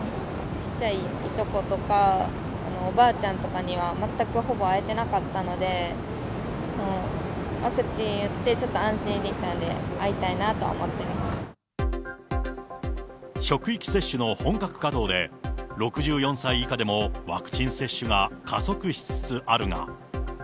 ちっちゃいいとことか、おばあちゃんとかには、全くほぼ会えてなかったので、ワクチン打ってちょっと安心できたんで、職域接種の本格稼働で、６４歳以下でもワクチン接種が加速しつつあるが。